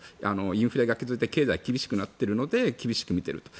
インフレが続いて経済、厳しくなっているので厳しく見ていると。